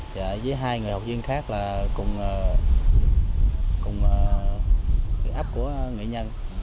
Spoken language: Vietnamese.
với hai người học viên khác là cùng áp của nghệ nhân